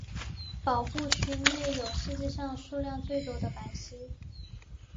保护区内有世界上数量最多的白犀。